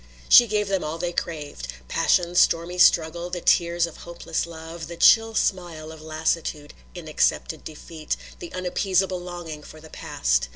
She gave them all they craved: passion, stormy struggle, the tears of hopeless love, the chill smile of lassitude in accepted defeat, the unappeasable longing for the past.